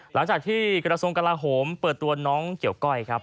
หลังจากที่กระทรงกระลาโหมเปิดตัวน้องเกี่ยวก้อยครับ